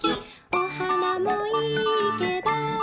「お花もいいけど」